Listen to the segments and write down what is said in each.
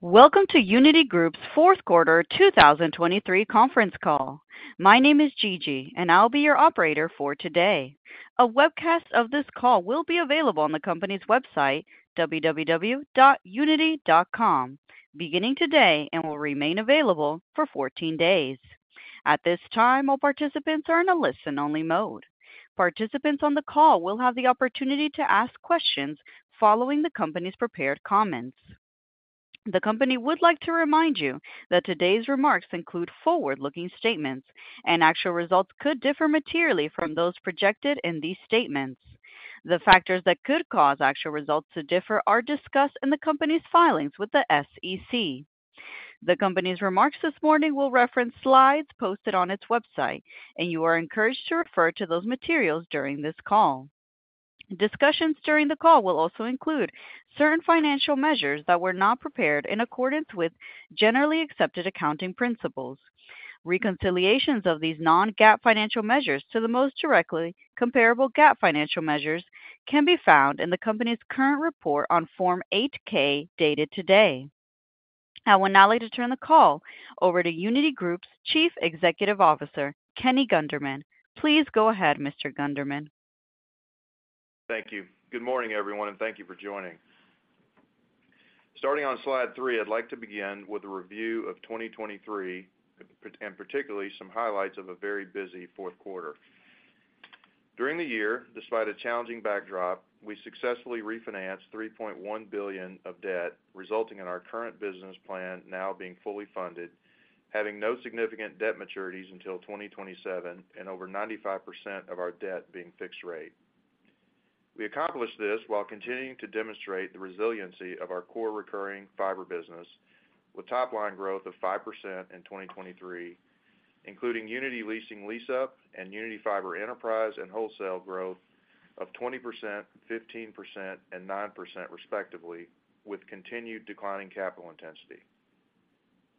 Welcome to Uniti Group's fourth quarter 2023 conference call. My name is Gigi, and I'll be your operator for today. A webcast of this call will be available on the company's website, www.uniti.com, beginning today and will remain available for 14 days. At this time, all participants are in a listen-only mode. Participants on the call will have the opportunity to ask questions following the company's prepared comments. The company would like to remind you that today's remarks include forward-looking statements, and actual results could differ materially from those projected in these statements. The factors that could cause actual results to differ are discussed in the company's filings with the SEC. The company's remarks this morning will reference slides posted on its website, and you are encouraged to refer to those materials during this call. Discussions during the call will also include certain financial measures that were not prepared in accordance with generally accepted accounting principles. Reconciliations of these non-GAAP financial measures to the most directly comparable GAAP financial measures can be found in the company's current report on Form 8-K dated today. I will now like to turn the call over to Uniti Group's Chief Executive Officer, Kenny Gunderman. Please go ahead, Mr. Gunderman. Thank you. Good morning, everyone, and thank you for joining. Starting on slide three, I'd like to begin with a review of 2023, and particularly some highlights of a very busy fourth quarter. During the year, despite a challenging backdrop, we successfully refinanced $3.1 billion of debt, resulting in our current business plan now being fully funded, having no significant debt maturities until 2027, and over 95% of our debt being fixed rate. We accomplished this while continuing to demonstrate the resiliency of our core recurring fiber business, with top-line growth of 5% in 2023, including Uniti Leasing lease-up and Uniti Fiber enterprise and wholesale growth of 20%, 15%, and 9% respectively, with continued declining capital intensity.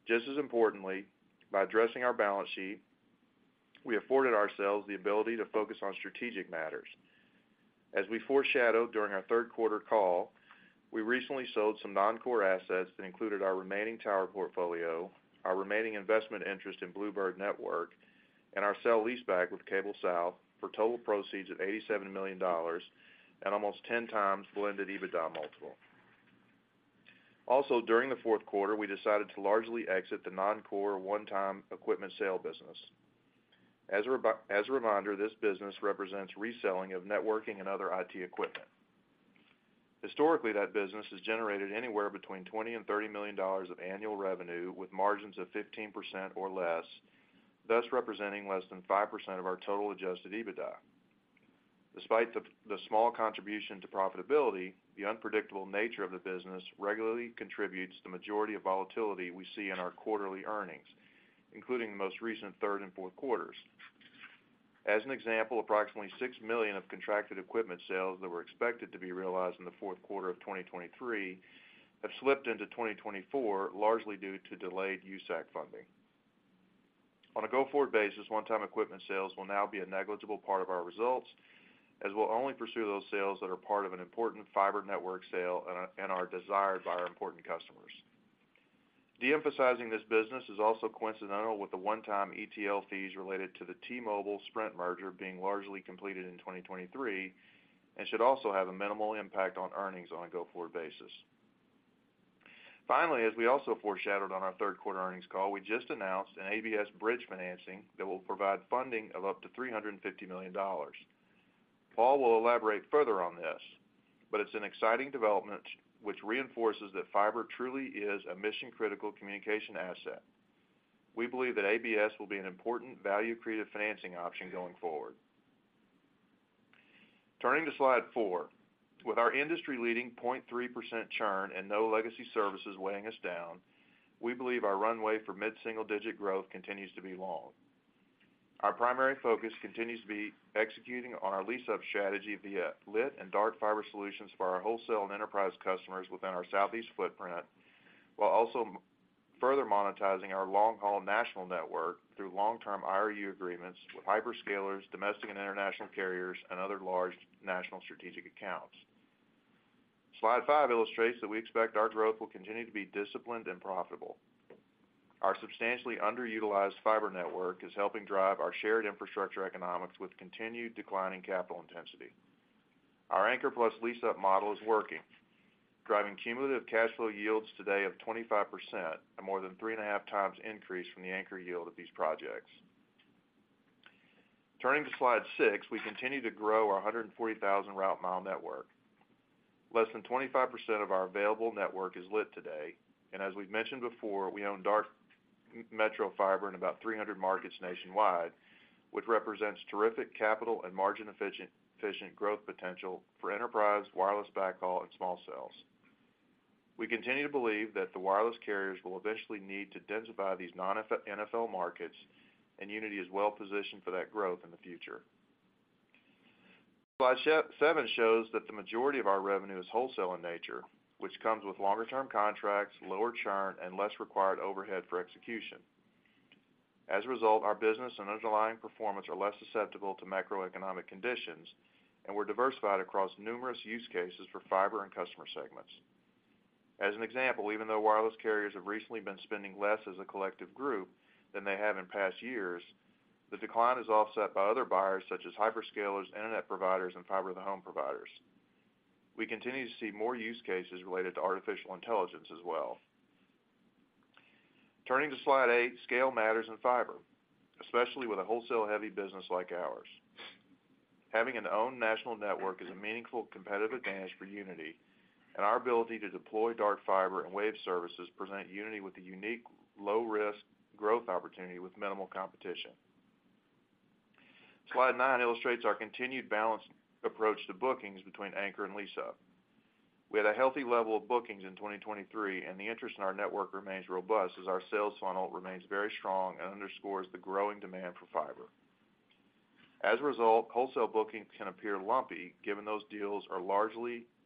Just as importantly, by addressing our balance sheet, we afforded ourselves the ability to focus on strategic matters. As we foreshadowed during our third quarter call, we recently sold some non-core assets that included our remaining tower portfolio, our remaining investment interest in Bluebird Network, and our sale-leaseback with CableSouth for total proceeds of $87 million and almost 10x blended EBITDA multiple. Also, during the fourth quarter, we decided to largely exit the non-core one-time equipment sale business. As a reminder, this business represents reselling of networking and other IT equipment. Historically, that business has generated anywhere between $20 million-$30 million of annual revenue with margins of 15% or less, thus representing less than 5% of our total Adjusted EBITDA. Despite the small contribution to profitability, the unpredictable nature of the business regularly contributes to the majority of volatility we see in our quarterly earnings, including the most recent third and fourth quarters. As an example, approximately $6 million of contracted equipment sales that were expected to be realized in the fourth quarter of 2023 have slipped into 2024, largely due to delayed USAC funding. On a go-forward basis, one-time equipment sales will now be a negligible part of our results, as we'll only pursue those sales that are part of an important fiber network sale and are desired by our important customers. De-emphasizing this business is also coincidental with the one-time ETL fees related to the T-Mobile Sprint merger being largely completed in 2023 and should also have a minimal impact on earnings on a go-forward basis. Finally, as we also foreshadowed on our third quarter earnings call, we just announced an ABS bridge financing that will provide funding of up to $350 million. Paul will elaborate further on this, but it's an exciting development which reinforces that fiber truly is a mission-critical communication asset. We believe that ABS will be an important value-creative financing option going forward. Turning to slide four, with our industry-leading 0.3% churn and no legacy services weighing us down, we believe our runway for mid-single-digit growth continues to be long. Our primary focus continues to be executing on our lease-up strategy via lit and dark fiber solutions for our wholesale and enterprise customers within our Southeast footprint, while also further monetizing our long-haul national network through long-term IRU agreements with hyperscalers, domestic and international carriers, and other large national strategic accounts. Slide five illustrates that we expect our growth will continue to be disciplined and profitable. Our substantially underutilized fiber network is helping drive our shared infrastructure economics with continued declining capital intensity. Our Anchor Plus lease-up model is working, driving cumulative cash flow yields today of 25%, a more than 3.5 times increase from the anchor yield of these projects. Turning to slide six, we continue to grow our 140,000 route mile network. Less than 25% of our available network is lit today, and as we've mentioned before, we own dark metro fiber in about 300 markets nationwide, which represents terrific capital and margin-efficient growth potential for enterprise, wireless backhaul, and small cells. We continue to believe that the wireless carriers will eventually need to densify these non-NFL markets, and Uniti is well positioned for that growth in the future. Slide seven shows that the majority of our revenue is wholesale in nature, which comes with longer-term contracts, lower churn, and less required overhead for execution. As a result, our business and underlying performance are less susceptible to macroeconomic conditions, and we're diversified across numerous use cases for fiber and customer segments. As an example, even though wireless carriers have recently been spending less as a collective group than they have in past years, the decline is offset by other buyers such as hyperscalers, internet providers, and fiber-to-home providers. We continue to see more use cases related to artificial intelligence as well. Turning to slide eight, scale matters in fiber, especially with a wholesale-heavy business like ours. Having an owned national network is a meaningful competitive advantage for Uniti, and our ability to deploy dark fiber and wave services presents Uniti with a unique low-risk growth opportunity with minimal competition. Slide nine illustrates our continued balanced approach to bookings between Anchor and Lease Up. We had a healthy level of bookings in 2023, and the interest in our network remains robust as our sales funnel remains very strong and underscores the growing demand for fiber. As a result, wholesale bookings can appear lumpy given those deals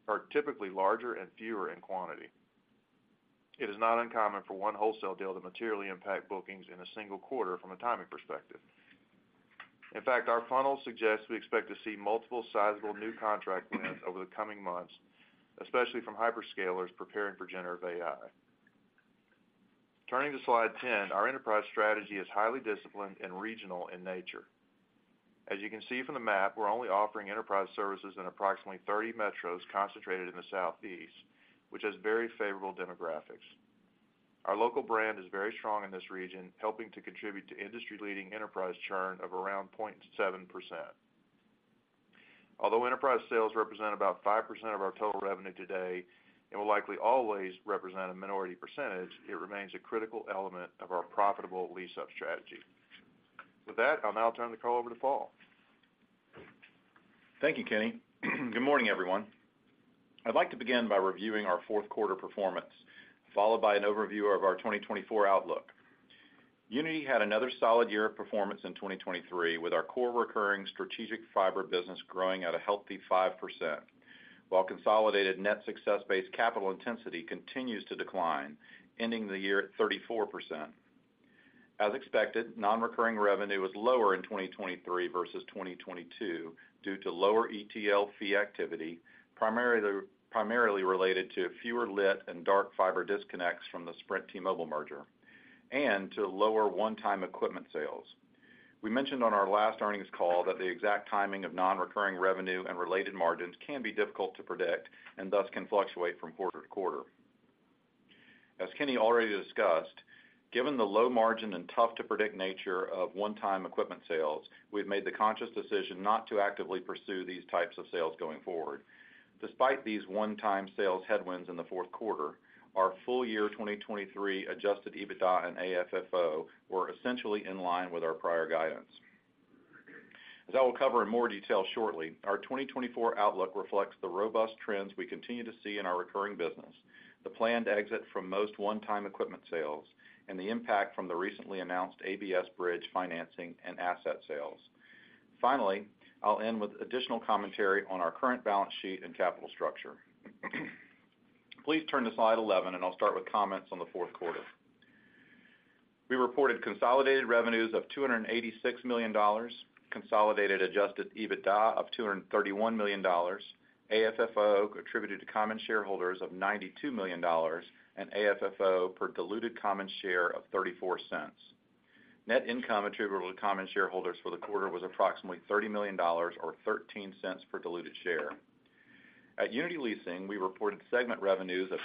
are typically larger and fewer in quantity. It is not uncommon for one wholesale deal to materially impact bookings in a single quarter from a timing perspective. In fact, our funnel suggests we expect to see multiple sizable new contract wins over the coming months, especially from hyperscalers preparing for generative AI. Turning to slide 10, our enterprise strategy is highly disciplined and regional in nature. As you can see from the map, we're only offering enterprise services in approximately 30 metros concentrated in the Southeast, which has very favorable demographics. Our local brand is very strong in this region, helping to contribute to industry-leading enterprise churn of around 0.7%. Although enterprise sales represent about 5% of our total revenue today and will likely always represent a minority percentage, it remains a critical element of our profitable lease-up strategy. With that, I'll now turn the call over to Paul. Thank you, Kenny. Good morning, everyone. I'd like to begin by reviewing our fourth quarter performance, followed by an overview of our 2024 outlook. Uniti had another solid year of performance in 2023, with our core recurring strategic fiber business growing at a healthy 5%, while consolidated net success-based capital intensity continues to decline, ending the year at 34%. As expected, non-recurring revenue was lower in 2023 versus 2022 due to lower ETL fee activity, primarily related to fewer lit and dark fiber disconnects from the Sprint T-Mobile merger, and to lower one-time equipment sales. We mentioned on our last earnings call that the exact timing of non-recurring revenue and related margins can be difficult to predict and thus can fluctuate from quarter to quarter. As Kenny already discussed, given the low-margin and tough-to-predict nature of one-time equipment sales, we've made the conscious decision not to actively pursue these types of sales going forward. Despite these one-time sales headwinds in the fourth quarter, our full-year 2023 Adjusted EBITDA and AFFO were essentially in line with our prior guidance. As I will cover in more detail shortly, our 2024 outlook reflects the robust trends we continue to see in our recurring business, the planned exit from most one-time equipment sales, and the impact from the recently announced ABS bridge financing and asset sales. Finally, I'll end with additional commentary on our current balance sheet and capital structure. Please turn to slide 11, and I'll start with comments on the fourth quarter. We reported consolidated revenues of $286 million, consolidated Adjusted EBITDA of $231 million, AFFO attributed to common shareholders of $92 million, and AFFO per diluted common share of $0.34. Net income attributable to common shareholders for the quarter was approximately $30 million or $0.13 per diluted share. At Uniti Leasing, we reported segment revenues of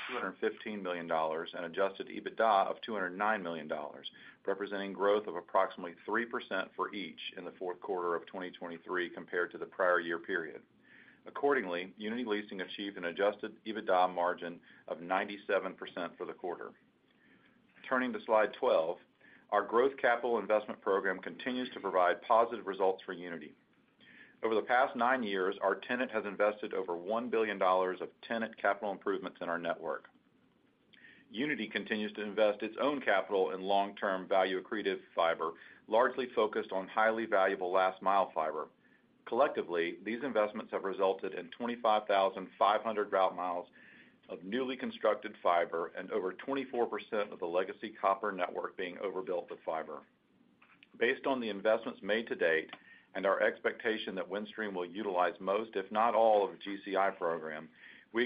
$215 million and Adjusted EBITDA of $209 million, representing growth of approximately 3% for each in the fourth quarter of 2023 compared to the prior year period. Accordingly, Uniti Leasing achieved an Adjusted EBITDA margin of 97% for the quarter. Turning to slide 12, our growth capital investment program continues to provide positive results for Uniti. Over the past nine years, our tenant has invested over $1 billion of tenant capital improvements in our network. Uniti continues to invest its own capital in long-term value-accretive fiber, largely focused on highly valuable last-mile fiber. Collectively, these investments have resulted in 25,500 route miles of newly constructed fiber and over 24% of the legacy copper network being overbuilt with fiber. Based on the investments made to date and our expectation that Windstream will utilize most, if not all, of the GCI program, we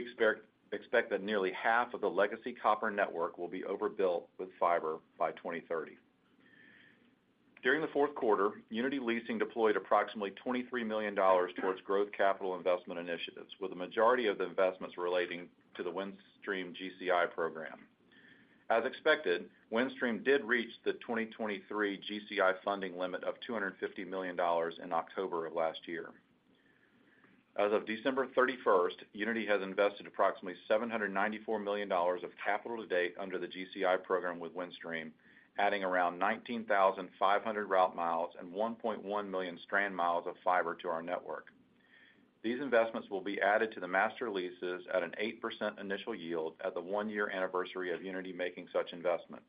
expect that nearly half of the legacy copper network will be overbuilt with fiber by 2030. During the fourth quarter, Uniti Leasing deployed approximately $23 million towards growth capital investment initiatives, with the majority of the investments relating to the Windstream GCI program. As expected, Windstream did reach the 2023 GCI funding limit of $250 million in October of last year. As of December 31st, Uniti has invested approximately $794 million of capital to date under the GCI program with Windstream, adding around 19,500 route miles and 1.1 million strand miles of fiber to our network. These investments will be added to the master leases at an 8% initial yield at the one-year anniversary of Uniti making such investments.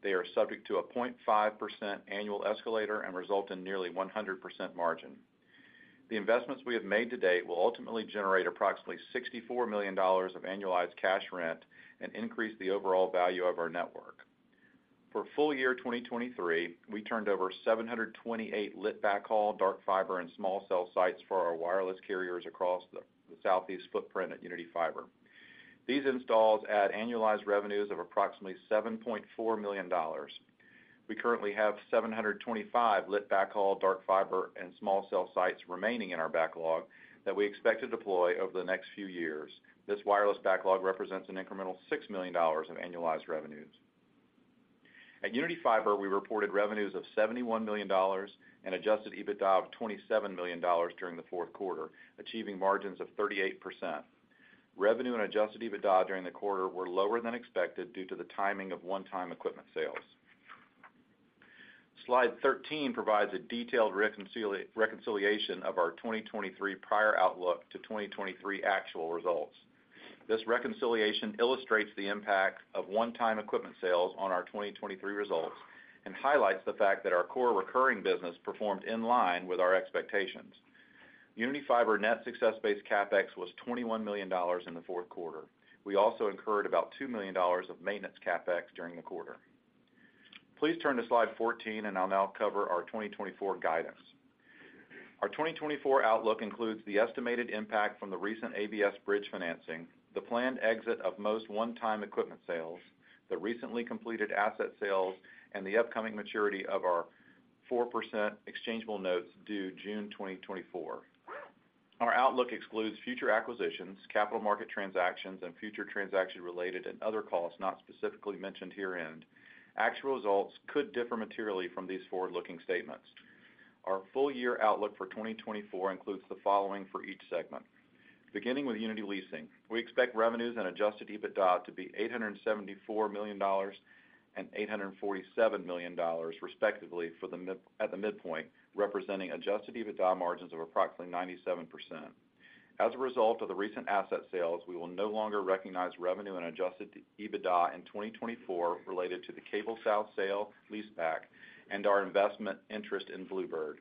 They are subject to a 0.5% annual escalator and result in nearly 100% margin. The investments we have made to date will ultimately generate approximately $64 million of annualized cash rent and increase the overall value of our network. For full-year 2023, we turned over 728 lit backhaul, dark fiber, and small cell sites for our wireless carriers across the Southeast footprint at Uniti Fiber. These installs add annualized revenues of approximately $7.4 million. We currently have 725 lit backhaul, dark fiber, and small cell sites remaining in our backlog that we expect to deploy over the next few years. This wireless backlog represents an incremental $6 million of annualized revenues. At Uniti Fiber, we reported revenues of $71 million and Adjusted EBITDA of $27 million during the fourth quarter, achieving margins of 38%. Revenue and Adjusted EBITDA during the quarter were lower than expected due to the timing of one-time equipment sales. Slide 13 provides a detailed reconciliation of our 2023 prior outlook to 2023 actual results. This reconciliation illustrates the impact of one-time equipment sales on our 2023 results and highlights the fact that our core recurring business performed in line with our expectations. Uniti Fiber net success-based CapEx was $21 million in the fourth quarter. We also incurred about $2 million of maintenance CapEx during the quarter. Please turn to slide 14, and I'll now cover our 2024 guidance. Our 2024 outlook includes the estimated impact from the recent ABS bridge financing, the planned exit of most one-time equipment sales, the recently completed asset sales, and the upcoming maturity of our 4% exchangeable notes due June 2024. Our outlook excludes future acquisitions, capital market transactions, and future transaction-related and other costs not specifically mentioned herein. Actual results could differ materially from these forward-looking statements. Our full-year outlook for 2024 includes the following for each segment. Beginning with Uniti Leasing, we expect revenues and Adjusted EBITDA to be $874 million and $847 million, respectively, at the midpoint, representing Adjusted EBITDA margins of approximately 97%. As a result of the recent asset sales, we will no longer recognize revenue and Adjusted EBITDA in 2024 related to the CableSouth sale-leaseback and our investment interest in Bluebird.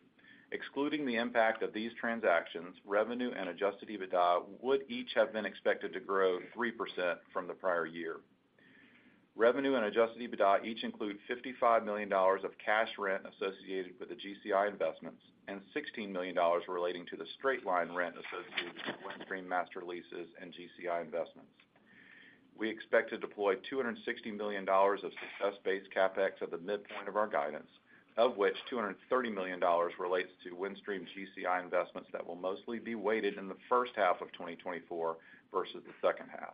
Excluding the impact of these transactions, revenue and Adjusted EBITDA would each have been expected to grow 3% from the prior year. Revenue and Adjusted EBITDA each include $55 million of cash rent associated with the GCI investments and $16 million relating to the straight-line rent associated with Windstream master leases and GCI investments. We expect to deploy $260 million of success-based CapEx at the midpoint of our guidance, of which $230 million relates to Windstream GCI investments that will mostly be weighted in the first half of 2024 versus the second half.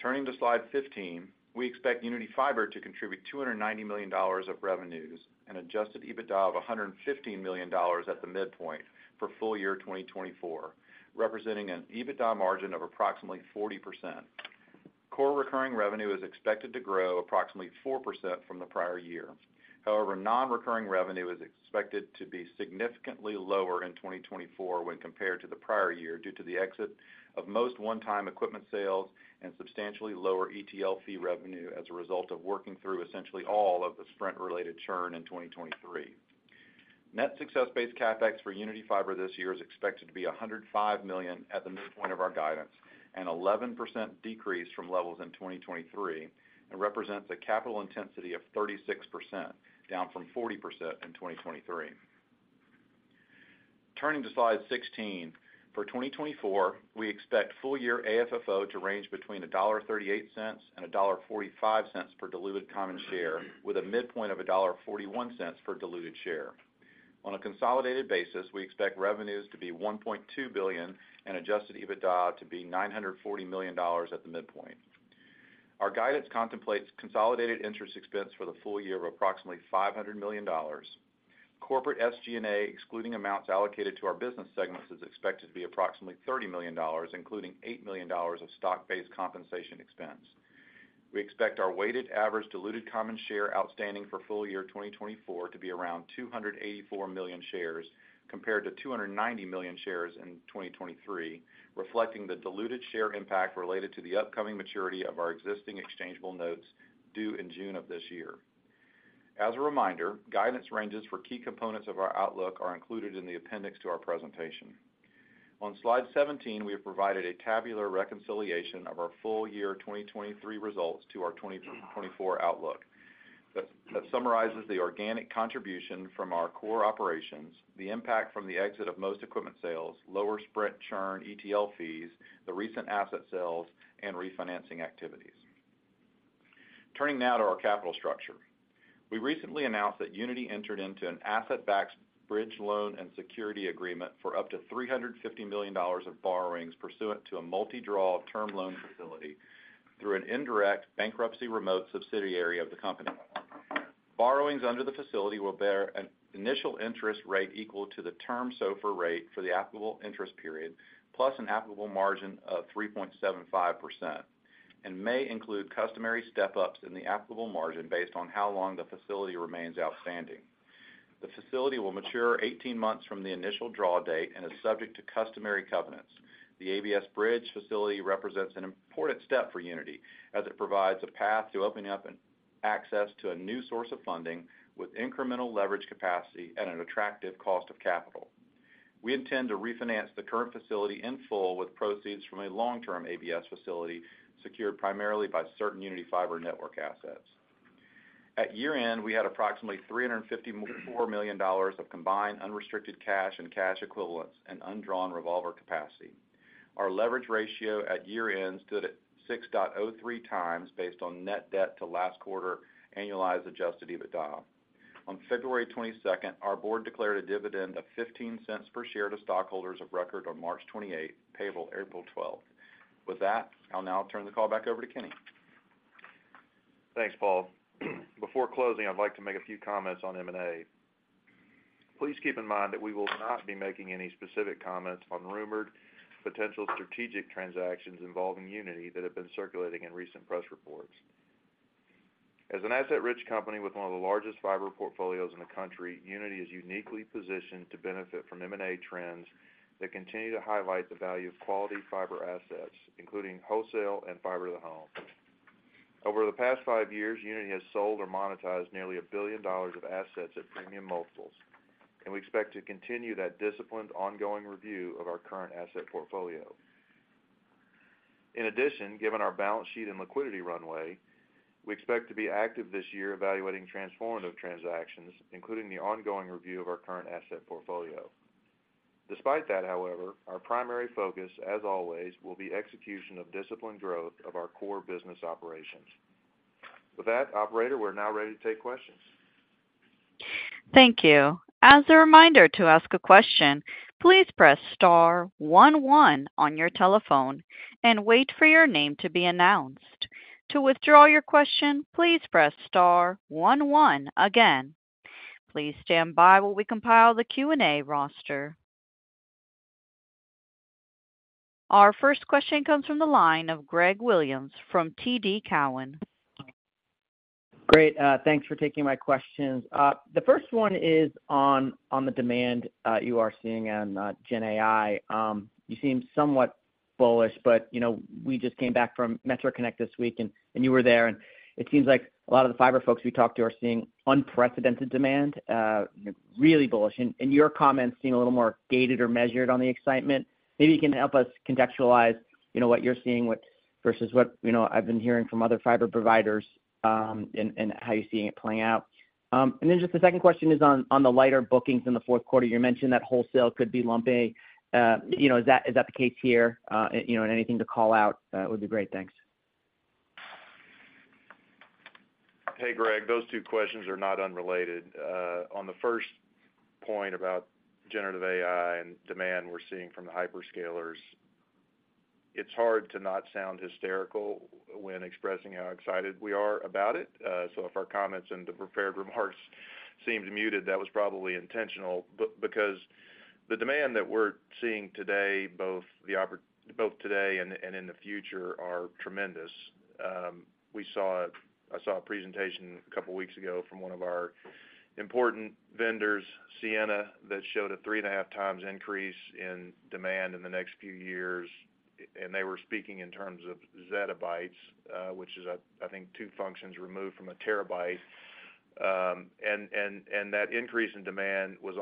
Turning to slide 15, we expect Uniti Fiber to contribute $290 million of revenues and Adjusted EBITDA of $115 million at the midpoint for full-year 2024, representing an EBITDA margin of approximately 40%. Core recurring revenue is expected to grow approximately 4% from the prior year. However, non-recurring revenue is expected to be significantly lower in 2024 when compared to the prior year due to the exit of most one-time equipment sales and substantially lower ETL fee revenue as a result of working through essentially all of the Sprint-related churn in 2023. Net success-based CapEx for Uniti Fiber this year is expected to be $105 million at the midpoint of our guidance and 11% decrease from levels in 2023 and represents a capital intensity of 36%, down from 40% in 2023. Turning to slide 16, for 2024, we expect full-year AFFO to range between $1.38-$1.45 per diluted common share, with a midpoint of $1.41 per diluted share. On a consolidated basis, we expect revenues to be $1.2 billion and Adjusted EBITDA to be $940 million at the midpoint. Our guidance contemplates consolidated interest expense for the full-year of approximately $500 million. Corporate SG&A excluding amounts allocated to our business segments is expected to be approximately $30 million, including $8 million of stock-based compensation expense. We expect our weighted average diluted common share outstanding for full-year 2024 to be around 284 million shares compared to 290 million shares in 2023, reflecting the diluted share impact related to the upcoming maturity of our existing exchangeable notes due in June of this year. As a reminder, guidance ranges for key components of our outlook are included in the appendix to our presentation. On slide 17, we have provided a tabular reconciliation of our full-year 2023 results to our 2024 outlook. That summarizes the organic contribution from our core operations, the impact from the exit of most equipment sales, lower Sprint churn ETL fees, the recent asset sales, and refinancing activities. Turning now to our capital structure, we recently announced that Uniti entered into an asset-backed bridge loan and security agreement for up to $350 million of borrowings pursuant to a multi-draw term loan facility through an indirect bankruptcy remote subsidiary of the company. Borrowings under the facility will bear an initial interest rate equal to the term SOFR rate for the applicable interest period, plus an applicable margin of 3.75%, and may include customary step-ups in the applicable margin based on how long the facility remains outstanding. The facility will mature 18 months from the initial draw date and is subject to customary covenants. The ABS bridge facility represents an important step for Uniti as it provides a path to opening up access to a new source of funding with incremental leverage capacity and an attractive cost of capital. We intend to refinance the current facility in full with proceeds from a long-term ABS facility secured primarily by certain Uniti Fiber network assets. At year end, we had approximately $354 million of combined unrestricted cash and cash equivalents and undrawn revolver capacity. Our leverage ratio at year end stood at 6.03x based on net debt to last quarter annualized Adjusted EBITDA. On February 22nd, our board declared a dividend of $0.15 per share to stockholders of record on March 28th, payable April 12th. With that, I'll now turn the call back over to Kenny. Thanks, Paul. Before closing, I'd like to make a few comments on M&A. Please keep in mind that we will not be making any specific comments on rumored potential strategic transactions involving Uniti that have been circulating in recent press reports. As an asset-rich company with one of the largest fiber portfolios in the country, Uniti is uniquely positioned to benefit from M&A trends that continue to highlight the value of quality fiber assets, including wholesale and fiber to the home. Over the past five years, Uniti has sold or monetized nearly $1 billion of assets at premium multiples, and we expect to continue that disciplined ongoing review of our current asset portfolio. In addition, given our balance sheet and liquidity runway, we expect to be active this year evaluating transformative transactions, including the ongoing review of our current asset portfolio. Despite that, however, our primary focus, as always, will be execution of disciplined growth of our core business operations. With that, operator, we're now ready to take questions. Thank you. As a reminder to ask a question, please press star one one on your telephone and wait for your name to be announced. To withdraw your question, please press star one one again. Please stand by while we compile the Q&A roster. Our first question comes from the line of Greg Williams from TD Cowen. Great. Thanks for taking my questions. The first one is on the demand you are seeing on GenAI. You seem somewhat bullish, but we just came back from Metro Connect this week, and you were there. And it seems like a lot of the fiber folks we talked to are seeing unprecedented demand, really bullish. And your comments seem a little more gated or measured on the excitement. Maybe you can help us contextualize what you're seeing versus what I've been hearing from other fiber providers and how you're seeing it playing out. And then just the second question is on the lighter bookings in the fourth quarter. You mentioned that wholesale could be lumpy. Is that the case here? And anything to call out would be great. Thanks. Hey, Greg, those two questions are not unrelated. On the first point about generative AI and demand we're seeing from the hyperscalers, it's hard to not sound hysterical when expressing how excited we are about it. So if our comments and the prepared remarks seemed muted, that was probably intentional because the demand that we're seeing today, both today and in the future, are tremendous. I saw a presentation a couple of weeks ago from one of our important vendors, Ciena, that showed a 3.5x increase in demand in the next few years. And they were speaking in terms of zettabytes, which is, I think, two functions removed from a terabyte. And that increase in demand was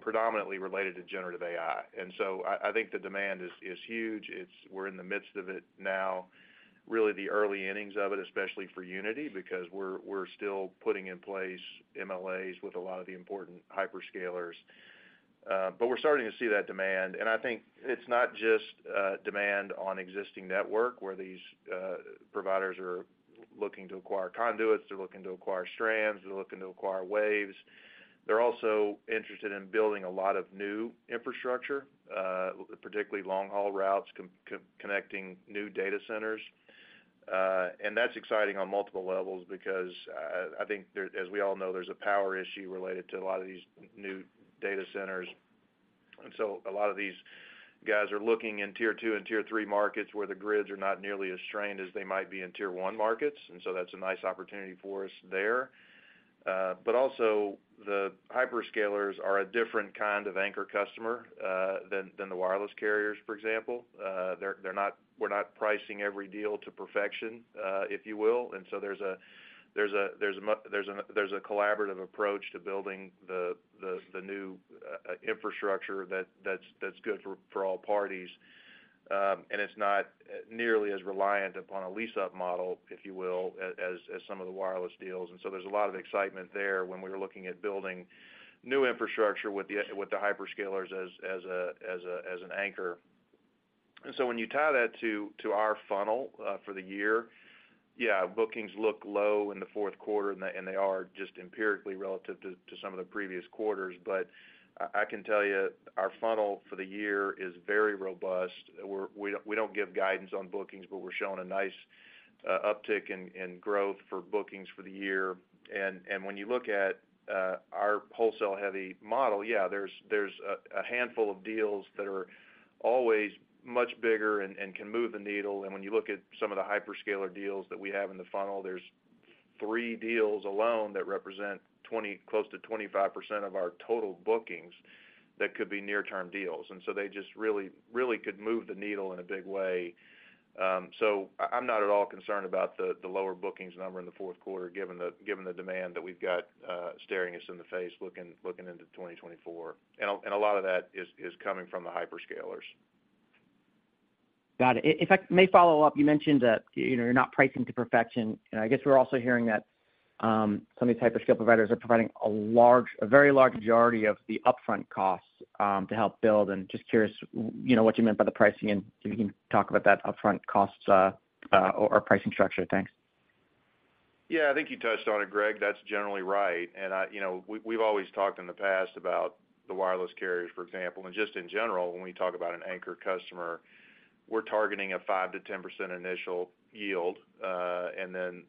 predominantly related to generative AI. And so I think the demand is huge. We're in the midst of it now, really the early innings of it, especially for Uniti, because we're still putting in place MLAs with a lot of the important hyperscalers. But we're starting to see that demand. And I think it's not just demand on existing network where these providers are looking to acquire conduits. They're looking to acquire strands. They're looking to acquire waves. They're also interested in building a lot of new infrastructure, particularly long-haul routes connecting new data centers. And that's exciting on multiple levels because I think, as we all know, there's a power issue related to a lot of these new data centers. And so a lot of these guys are looking in Tier 2 and Tier 3 markets where the grids are not nearly as strained as they might be in Tier 1 markets. And so that's a nice opportunity for us there. But also, the hyperscalers are a different kind of anchor customer than the wireless carriers, for example. We're not pricing every deal to perfection, if you will. And so there's a collaborative approach to building the new infrastructure that's good for all parties. And it's not nearly as reliant upon a lease-up model, if you will, as some of the wireless deals. And so there's a lot of excitement there when we were looking at building new infrastructure with the hyperscalers as an anchor. And so when you tie that to our funnel for the year, yeah, bookings look low in the fourth quarter, and they are just empirically relative to some of the previous quarters. But I can tell you our funnel for the year is very robust. We don't give guidance on bookings, but we're showing a nice uptick and growth for bookings for the year. And when you look at our wholesale-heavy model, yeah, there's a handful of deals that are always much bigger and can move the needle. And when you look at some of the hyperscaler deals that we have in the funnel, there's three deals alone that represent close to 25% of our total bookings that could be near-term deals. And so they just really could move the needle in a big way. So I'm not at all concerned about the lower bookings number in the fourth quarter, given the demand that we've got staring us in the face looking into 2024. A lot of that is coming from the hyperscalers. Got it. If I may follow-up, you mentioned that you're not pricing to perfection. I guess we're also hearing that some of these hyperscale providers are providing a very large majority of the upfront costs to help build. Just curious what you meant by the pricing, and if you can talk about that upfront costs or pricing structure. Thanks. Yeah, I think you touched on it, Greg. That's generally right. We've always talked in the past about the wireless carriers, for example. Just in general, when we talk about an anchor customer, we're targeting a 5%-10% initial yield. Then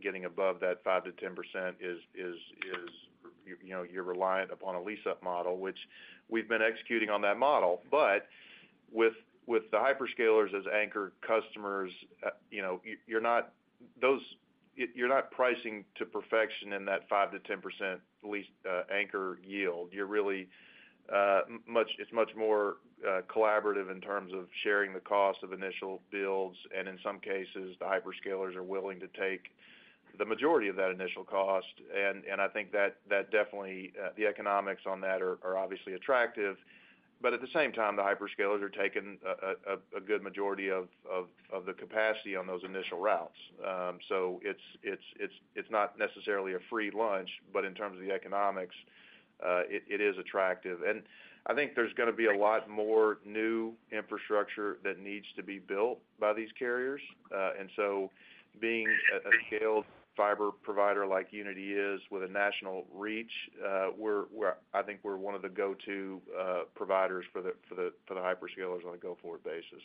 getting above that 5%-10%, you're reliant upon a lease-up model, which we've been executing on that model. But with the hyperscalers as anchor customers, you're not pricing to perfection in that 5%-10% lease anchor yield. It's much more collaborative in terms of sharing the cost of initial builds. And in some cases, the hyperscalers are willing to take the majority of that initial cost. And I think that definitely the economics on that are obviously attractive. But at the same time, the hyperscalers are taking a good majority of the capacity on those initial routes. So it's not necessarily a free lunch, but in terms of the economics, it is attractive. And I think there's going to be a lot more new infrastructure that needs to be built by these carriers. And so being a scaled fiber provider like Uniti is with a national reach, I think we're one of the go-to providers for the hyperscalers on a go-forward basis.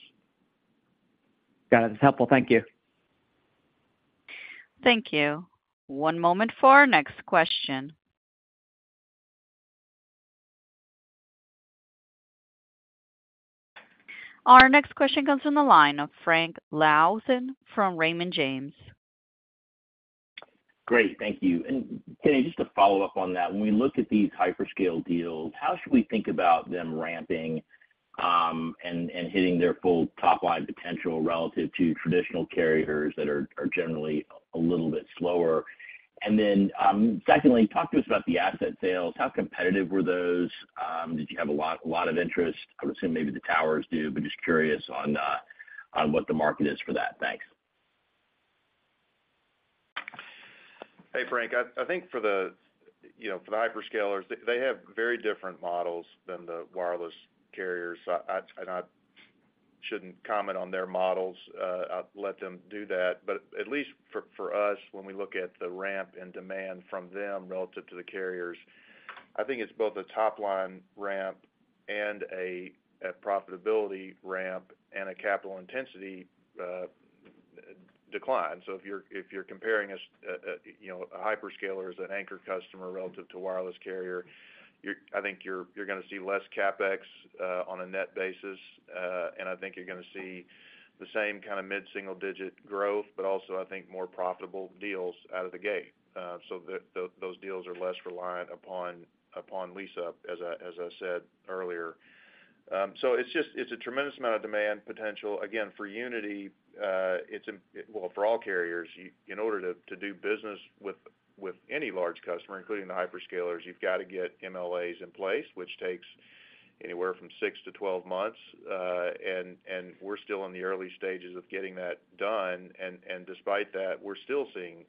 Got it. That's helpful. Thank you. Thank you. One moment for our next question. Our next question comes from the line of Frank Louthan from Raymond James. Great. Thank you. And Kenny, just to follow-up on that, when we look at these hyperscale deals, how should we think about them ramping and hitting their full top-line potential relative to traditional carriers that are generally a little bit slower? And then secondly, talk to us about the asset sales. How competitive were those? Did you have a lot of interest? I would assume maybe the towers do, but just curious on what the market is for that. Thanks. Hey, Frank. I think for the hyperscalers, they have very different models than the wireless carriers. I shouldn't comment on their models. I'll let them do that. But at least for us, when we look at the ramp in demand from them relative to the carriers, I think it's both a top-line ramp and a profitability ramp and a capital intensity decline. So if you're comparing a hyperscaler as an anchor customer relative to wireless carrier, I think you're going to see less CapEx on a net basis. I think you're going to see the same kind of mid-single-digit growth, but also, I think, more profitable deals out of the gate. So those deals are less reliant upon lease-up, as I said earlier. So it's a tremendous amount of demand potential. Again, for Uniti, well, for all carriers, in order to do business with any large customer, including the hyperscalers, you've got to get MLAs in place, which takes anywhere from six to 12 months. And we're still in the early stages of getting that done. And despite that, we're still seeing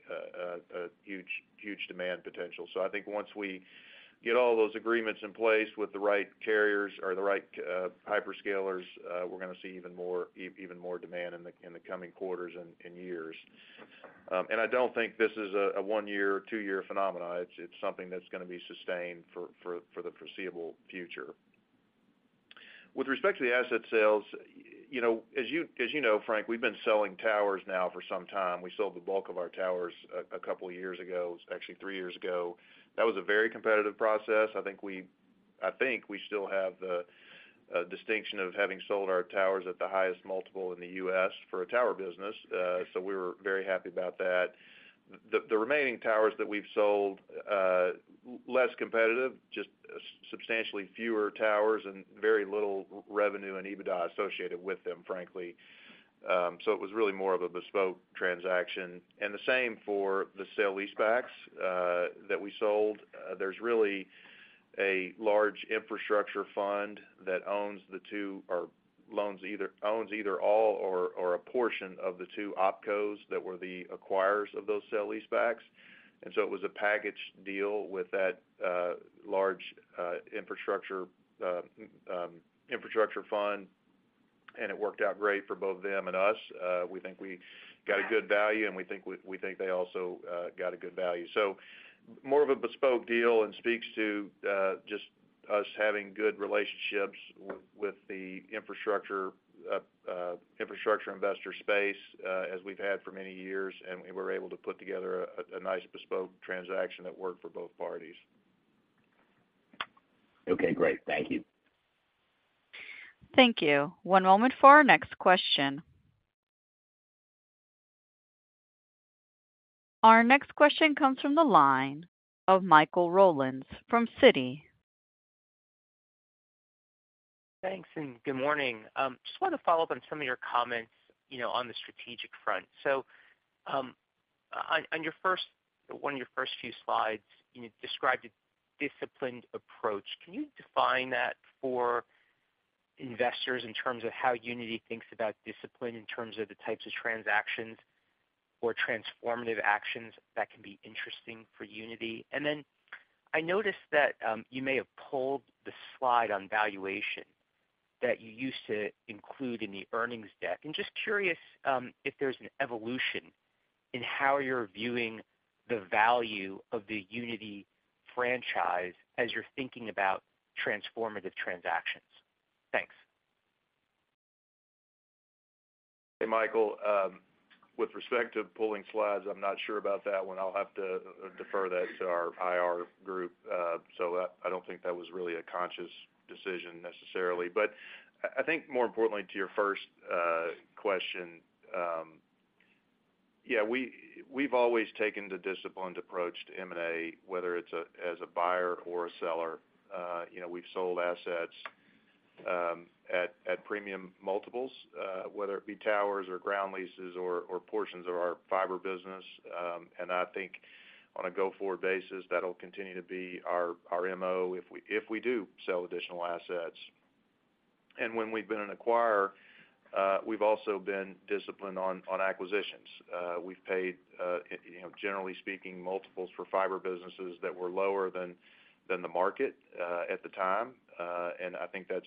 a huge demand potential. So I think once we get all those agreements in place with the right carriers or the right hyperscalers, we're going to see even more demand in the coming quarters and years. And I don't think this is a one-year or two-year phenomenon. It's something that's going to be sustained for the foreseeable future. With respect to the asset sales, as you know, Frank, we've been selling towers now for some time. We sold the bulk of our towers a couple of years ago, actually three years ago. That was a very competitive process. I think we still have the distinction of having sold our towers at the highest multiple in the U.S. for a tower business. So we were very happy about that. The remaining towers that we've sold, less competitive, just substantially fewer towers and very little revenue and EBITDA associated with them, frankly. So it was really more of a bespoke transaction. The same for the sale-leasebacks that we sold. There's really a large infrastructure fund that owns either all or a portion of the two OpCos that were the acquirers of those sale-leasebacks. So it was a packaged deal with that large infrastructure fund. It worked out great for both them and us. We think we got a good value, and we think they also got a good value. So more of a bespoke deal and speaks to just us having good relationships with the infrastructure investor space as we've had for many years. And we were able to put together a nice bespoke transaction that worked for both parties. Okay. Great. Thank you. Thank you. One moment for our next question. Our next question comes from the line of Michael Rollins from Citi. Thanks and good morning. Just wanted to follow-up on some of your comments on the strategic front. So on one of your first few slides, you described a disciplined approach. Can you define that for investors in terms of how Uniti thinks about discipline in terms of the types of transactions or transformative actions that can be interesting for Uniti? And then I noticed that you may have pulled the slide on valuation that you used to include in the earnings deck. Just curious if there's an evolution in how you're viewing the value of the Uniti franchise as you're thinking about transformative transactions. Thanks. Hey, Michael. With respect to pulling slides, I'm not sure about that one. I'll have to defer that to our IR group. So I don't think that was really a conscious decision necessarily. But I think, more importantly, to your first question, yeah, we've always taken the disciplined approach to M&A, whether it's as a buyer or a seller. We've sold assets at premium multiples, whether it be towers or ground leases or portions of our fiber business. And I think, on a go-forward basis, that'll continue to be our MO if we do sell additional assets. And when we've been an acquirer, we've also been disciplined on acquisitions. We've paid, generally speaking, multiples for fiber businesses that were lower than the market at the time. And I think that's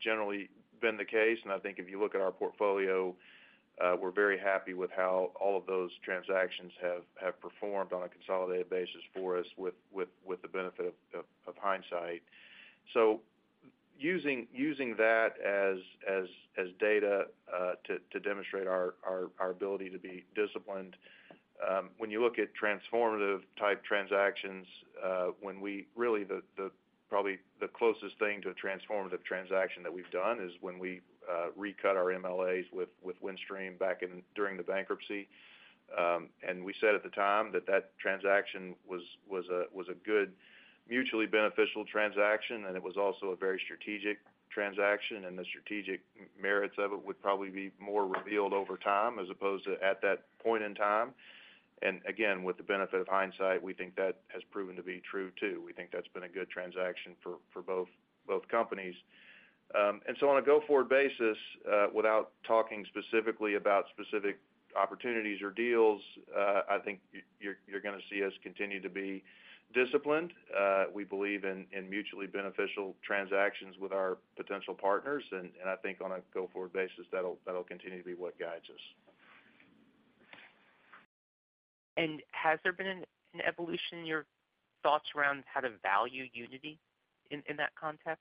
generally been the case. And I think if you look at our portfolio, we're very happy with how all of those transactions have performed on a consolidated basis for us with the benefit of hindsight. So using that as data to demonstrate our ability to be disciplined, when you look at transformative-type transactions, really, probably the closest thing to a transformative transaction that we've done is when we recut our MLAs with Windstream during the bankruptcy. And we said at the time that that transaction was a good, mutually beneficial transaction. And it was also a very strategic transaction. And the strategic merits of it would probably be more revealed over time as opposed to at that point in time. And again, with the benefit of hindsight, we think that has proven to be true too. We think that's been a good transaction for both companies. And so on a go-forward basis, without talking specifically about specific opportunities or deals, I think you're going to see us continue to be disciplined. We believe in mutually beneficial transactions with our potential partners. And I think, on a go-forward basis, that'll continue to be what guides us. And has there been an evolution in your thoughts around how to value Uniti in that context?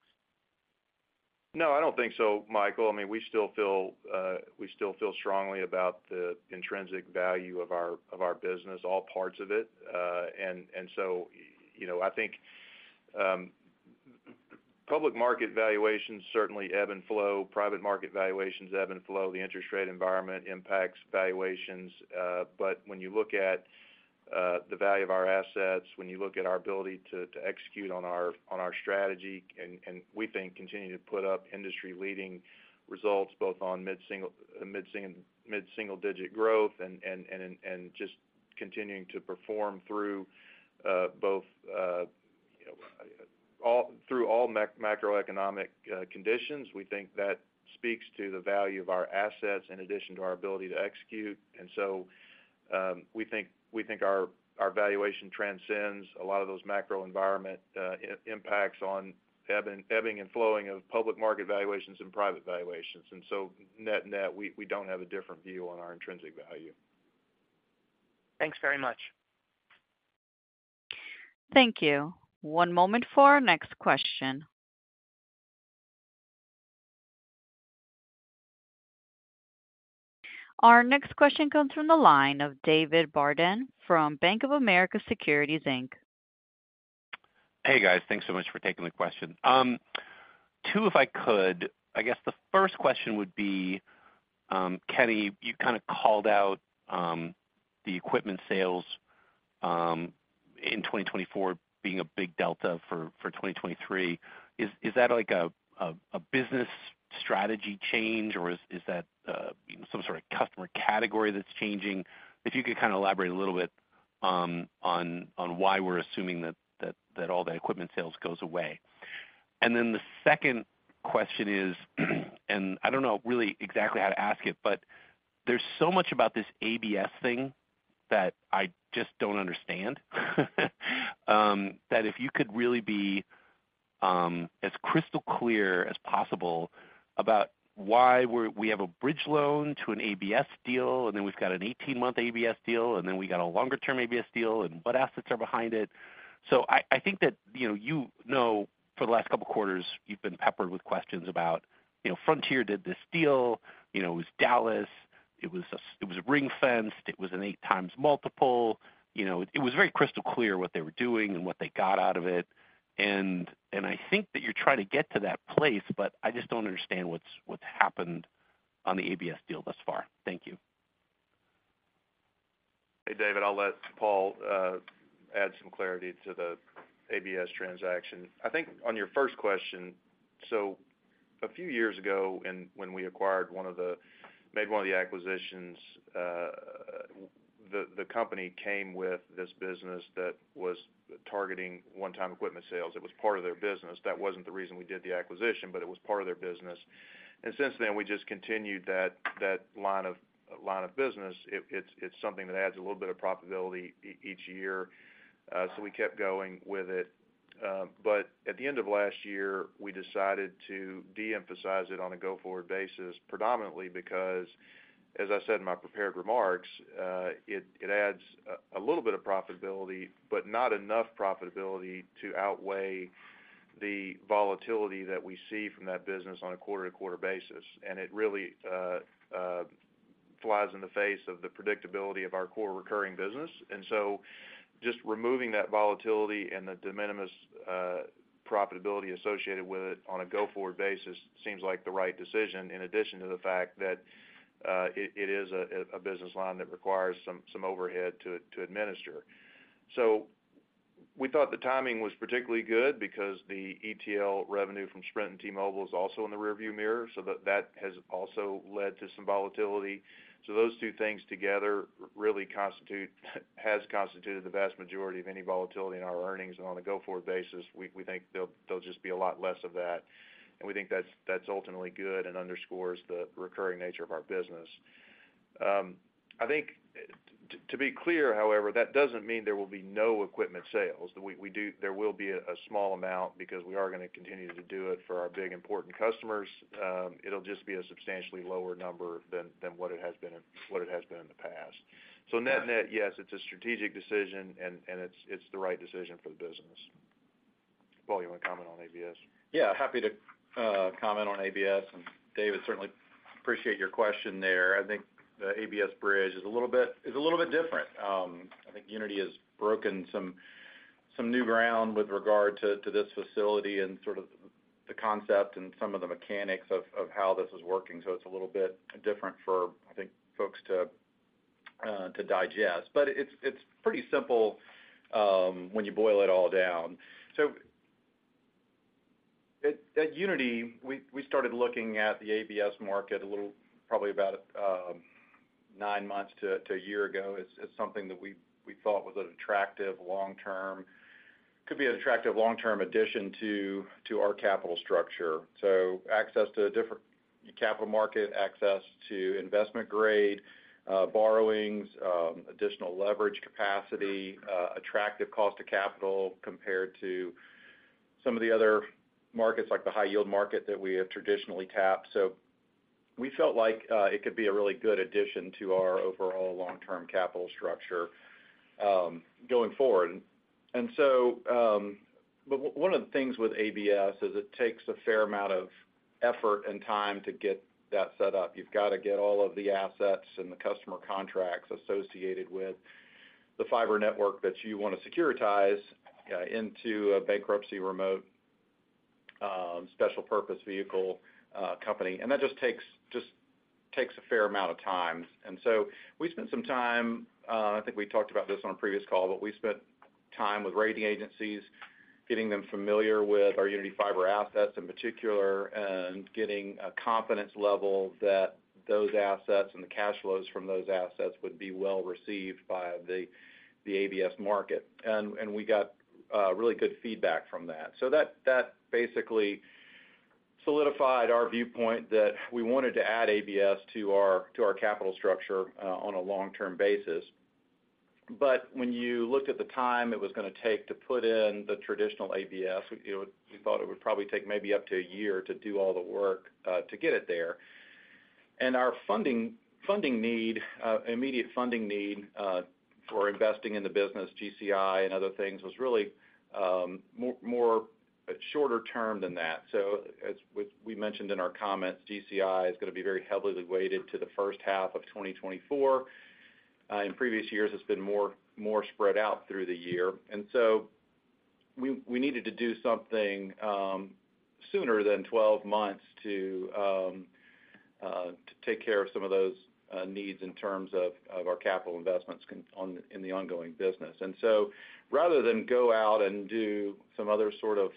No, I don't think so, Michael. I mean, we still feel strongly about the intrinsic value of our business, all parts of it. And so I think public market valuations certainly ebb and flow. Private market valuations ebb and flow. The interest rate environment impacts valuations. But when you look at the value of our assets, when you look at our ability to execute on our strategy, and we think continue to put up industry-leading results both on mid-single-digit growth and just continuing to perform through all macroeconomic conditions, we think that speaks to the value of our assets in addition to our ability to execute. And so we think our valuation transcends a lot of those macro environment impacts on ebbing and flowing of public market valuations and private valuations. And so net-net, we don't have a different view on our intrinsic value. Thanks very much. Thank you. One moment for our next question. Our next question comes from the line of David Barden from Bank of America Securities, Inc. Hey, guys. Thanks so much for taking the question. Too, if I could, I guess the first question would be, Kenny, you kind of called out the equipment sales in 2024 being a big delta for 2023. Is that a business strategy change, or is that some sort of customer category that's changing? If you could kind of elaborate a little bit on why we're assuming that all that equipment sales goes away. And then the second question is, and I don't know really exactly how to ask it, but there's so much about this ABS thing that I just don't understand, that if you could really be as crystal clear as possible about why we have a bridge loan to an ABS deal, and then we've got an 18-month ABS deal, and then we got a longer-term ABS deal, and what assets are behind it. So, I think that, you know, for the last couple of quarters, you've been peppered with questions about Frontier did this deal. It was Dallas. It was ring-fenced. It was an 8x multiple. It was very crystal clear what they were doing and what they got out of it. And I think that you're trying to get to that place, but I just don't understand what's happened on the ABS deal thus far. Thank you. Hey, David. I'll let Paul add some clarity to the ABS transaction. I think on your first question, so a few years ago when we made one of the acquisitions, the company came with this business that was targeting one-time equipment sales. It was part of their business. That wasn't the reason we did the acquisition, but it was part of their business. Since then, we just continued that line of business. It's something that adds a little bit of profitability each year. We kept going with it. But at the end of last year, we decided to de-emphasize it on a go-forward basis, predominantly because, as I said in my prepared remarks, it adds a little bit of profitability, but not enough profitability to outweigh the volatility that we see from that business on a quarter-to-quarter basis. It really flies in the face of the predictability of our core recurring business. Just removing that volatility and the de minimis profitability associated with it on a go-forward basis seems like the right decision, in addition to the fact that it is a business line that requires some overhead to administer. So we thought the timing was particularly good because the ETL revenue from Sprint and T-Mobile is also in the rearview mirror. So that has also led to some volatility. So those two things together really constitute has constituted the vast majority of any volatility in our earnings. And on a go-forward basis, we think there'll just be a lot less of that. And we think that's ultimately good and underscores the recurring nature of our business. I think, to be clear, however, that doesn't mean there will be no equipment sales. There will be a small amount because we are going to continue to do it for our big, important customers. It'll just be a substantially lower number than what it has been in what it has been in the past. So net and net, yes, it's a strategic decision, and it's the right decision for the business. Paul, you want to comment on ABS? Yeah, happy to comment on ABS. And David, certainly appreciate your question there. I think the ABS bridge is a little bit different. I think Uniti has broken some new ground with regard to this facility and sort of the concept and some of the mechanics of how this is working. So it's a little bit different for, I think, folks to digest. But it's pretty simple when you boil it all down. So at Uniti, we started looking at the ABS market a little probably about nine months to a year ago as something that we thought was an attractive long-term could be an attractive long-term addition to our capital structure. So access to a different capital market, access to investment-grade borrowings, additional leverage capacity, attractive cost of capital compared to some of the other markets like the high-yield market that we have traditionally tapped. So we felt like it could be a really good addition to our overall long-term capital structure going forward. But one of the things with ABS is it takes a fair amount of effort and time to get that set up. You've got to get all of the assets and the customer contracts associated with the fiber network that you want to securitize into a bankruptcy remote special-purpose vehicle company. And that just takes a fair amount of time. And so we spent some time I think we talked about this on a previous call, but we spent time with rating agencies, getting them familiar with our Uniti Fiber assets in particular, and getting a confidence level that those assets and the cash flows from those assets would be well received by the ABS market. And we got really good feedback from that. So that basically solidified our viewpoint that we wanted to add ABS to our capital structure on a long-term basis. But when you looked at the time it was going to take to put in the traditional ABS, we thought it would probably take maybe up to a year to do all the work to get it there. And our immediate funding need for investing in the business, GCI and other things, was really more shorter-term than that. So as we mentioned in our comments, GCI is going to be very heavily weighted to the first half of 2024. In previous years, it's been more spread out through the year. And so we needed to do something sooner than 12 months to take care of some of those needs in terms of our capital investments in the ongoing business. And so rather than go out and do some other sort of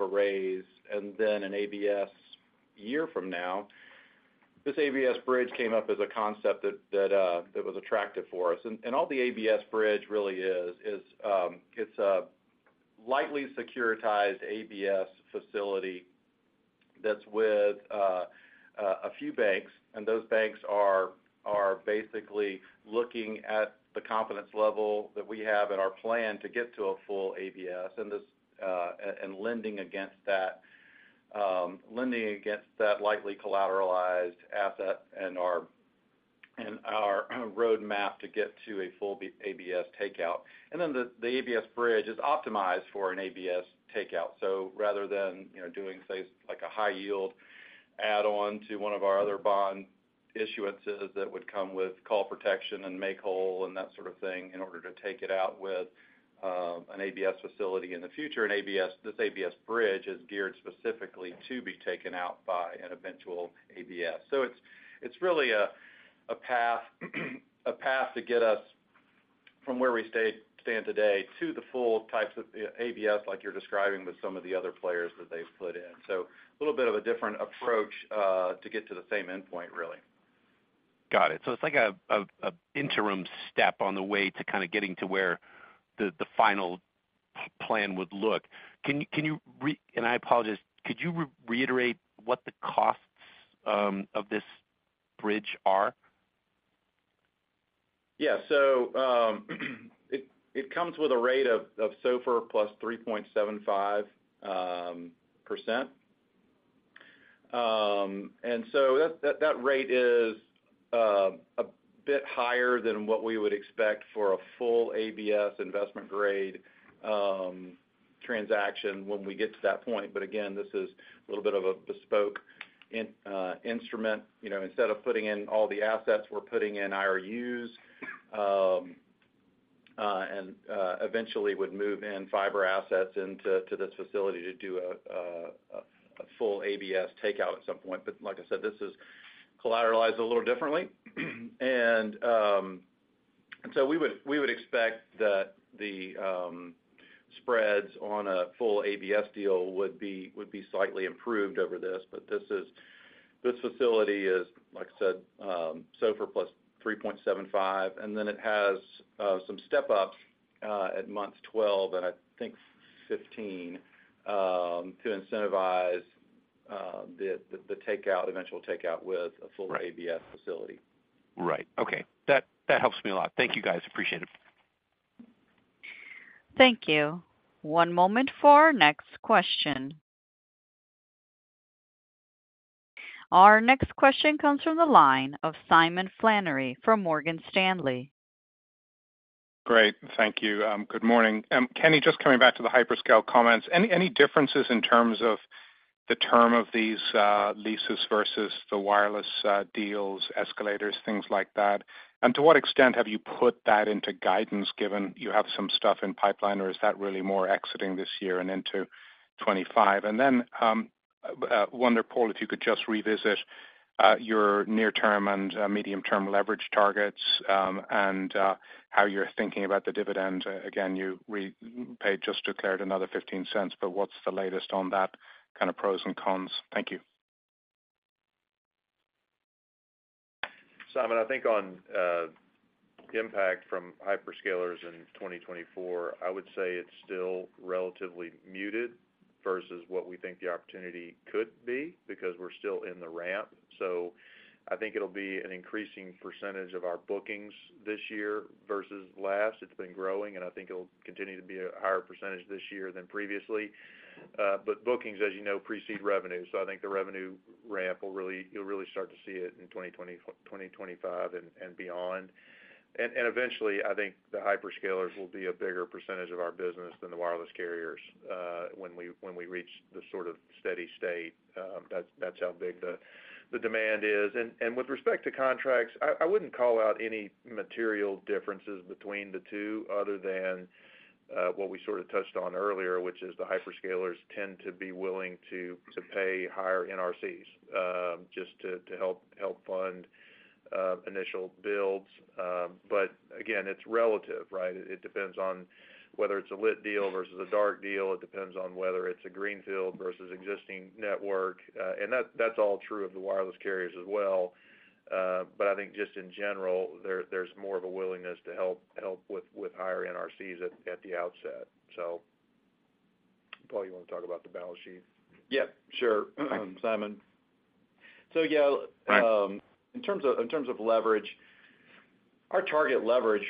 arrays and then an ABS year from now, this ABS bridge came up as a concept that was attractive for us. And all the ABS bridge really is, it's a lightly securitized ABS facility that's with a few banks. Those banks are basically looking at the confidence level that we have in our plan to get to a full ABS and lending against that lightly collateralized asset and our roadmap to get to a full ABS takeout. Then the ABS bridge is optimized for an ABS takeout. Rather than doing, say, a high-yield add-on to one of our other bond issuances that would come with call protection and make-whole and that sort of thing in order to take it out with an ABS facility in the future, this ABS bridge is geared specifically to be taken out by an eventual ABS. It's really a path to get us from where we stand today to the full types of ABS like you're describing with some of the other players that they've put in. So a little bit of a different approach to get to the same endpoint, really. Got it. So it's like an interim step on the way to kind of getting to where the final plan would look. Can you? And I apologize. Could you reiterate what the costs of this bridge are? Yeah. So it comes with a rate of SOFR plus 3.75%. And so that rate is a bit higher than what we would expect for a full ABS investment-grade transaction when we get to that point. But again, this is a little bit of a bespoke instrument. Instead of putting in all the assets, we're putting in IRUs and eventually would move in fiber assets into this facility to do a full ABS takeout at some point. But like I said, this is collateralized a little differently. And so we would expect that the spreads on a full ABS deal would be slightly improved over this. But this facility is, like I said, SOFR plus 3.75%. And then it has some step-ups at months 12 and I think 15 to incentivize the eventual takeout with a full ABS facility. Right. Okay. That helps me a lot. Thank you, guys. Appreciate it. Thank you. One moment for our next question. Our next question comes from the line of Simon Flannery from Morgan Stanley. Great. Thank you. Good morning. Kenny, just coming back to the hyperscale comments, any differences in terms of the term of these leases versus the wireless deals, escalators, things like that? And to what extent have you put that into guidance given you have some stuff in pipeline, or is that really more exciting this year and into 2025? And then wonder, Paul, if you could just revisit your near-term and medium-term leverage targets and how you're thinking about the dividend. Again, you just declared another $0.15, but what's the latest on that kind of pros and cons? Thank you. Simon, I think on impact from hyperscalers in 2024, I would say it's still relatively muted versus what we think the opportunity could be because we're still in the ramp. So I think it'll be an increasing percentage of our bookings this year versus last. It's been growing, and I think it'll continue to be a higher percentage this year than previously. But bookings, as you know, precede revenue. So I think the revenue ramp, you'll really start to see it in 2025 and beyond. And eventually, I think the hyperscalers will be a bigger percentage of our business than the wireless carriers when we reach the sort of steady state. That's how big the demand is. And with respect to contracts, I wouldn't call out any material differences between the two other than what we sort of touched on earlier, which is the hyperscalers tend to be willing to pay higher NRCs just to help fund initial builds. But again, it's relative, right? It depends on whether it's a lit deal versus a dark deal. It depends on whether it's a greenfield versus existing network. And that's all true of the wireless carriers as well. But I think just in general, there's more of a willingness to help with higher NRCs at the outset. So Paul, you want to talk about the balance sheet? Yep. Sure, Simon. So yeah, in terms of leverage, our target leverage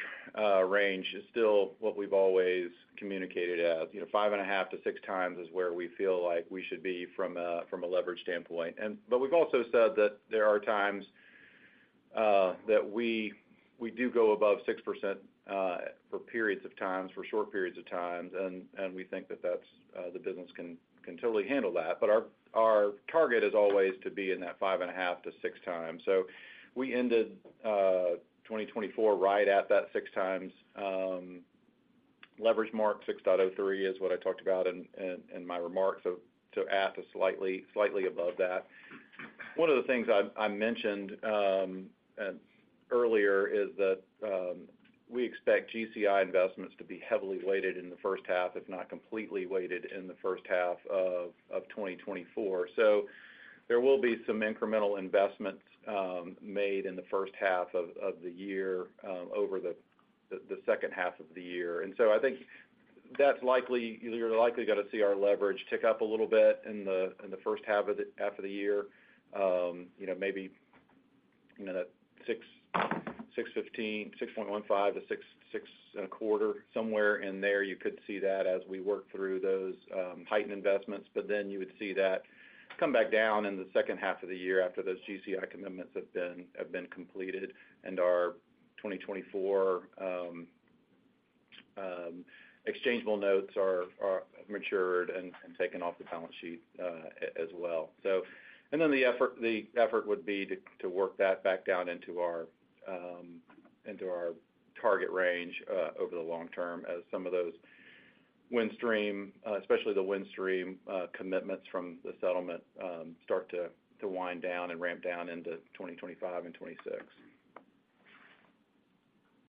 range is still what we've always communicated as 5.5x-6x is where we feel like we should be from a leverage standpoint. But we've also said that there are times that we do go above 6x for periods of times, for short periods of times. And we think that the business can totally handle that. But our target is always to be in that 5.5x-6x. So we ended 2024 right at that six times leverage mark. 6.03 is what I talked about in my remarks. So that is slightly above that. One of the things I mentioned earlier is that we expect GCI investments to be heavily weighted in the first half, if not completely weighted in the first half of 2024. There will be some incremental investments made in the first half of the year over the second half of the year. So I think you're likely going to see our leverage tick up a little bit in the first half of the year. Maybe that 6.15-6.25, somewhere in there, you could see that as we work through those heightened investments. But then you would see that come back down in the second half of the year after those GCI commitments have been completed and our 2024 exchangeable notes are matured and taken off the balance sheet as well. Then the effort would be to work that back down into our target range over the long term as some of those Windstream, especially the Windstream commitments from the settlement, start to wind down and ramp down into 2025 and 2026.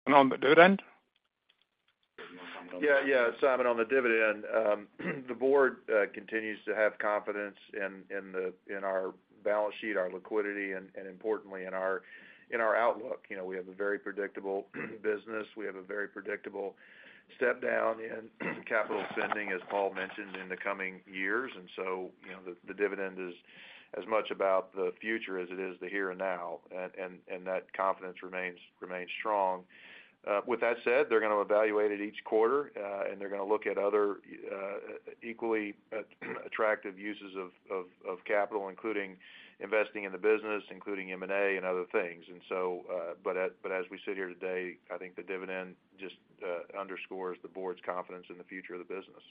On the dividend? Yeah. Yeah. Simon, on the dividend, the board continues to have confidence in our balance sheet, our liquidity, and importantly, in our outlook. We have a very predictable business. We have a very predictable step-down in capital spending, as Paul mentioned, in the coming years. And so the dividend is as much about the future as it is the here and now. And that confidence remains strong. With that said, they're going to evaluate it each quarter, and they're going to look at other equally attractive uses of capital, including investing in the business, including M&A and other things. But as we sit here today, I think the dividend just underscores the board's confidence in the future of the business.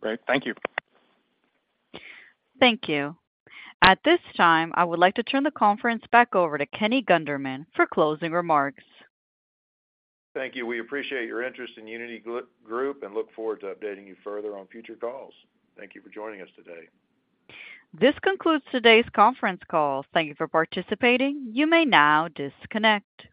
Great. Thank you. Thank you. At this time, I would like to turn the conference back over to Kenny Gunderman for closing remarks. Thank you. We appreciate your interest in Uniti Group and look forward to updating you further on future calls. Thank you for joining us today. This concludes today's conference call. Thank you for participating. You may now disconnect.